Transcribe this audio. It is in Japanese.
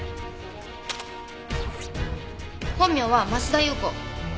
本名は増田裕子。